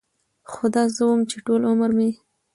خو دا زه وم چې ټول عمر مې